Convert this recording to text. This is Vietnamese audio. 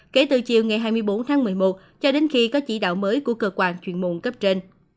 kể từ chiều ngày hai mươi bốn tháng một mươi một cho đến khi có chỉ đạo mới của cơ quan chuyên môn cấp trên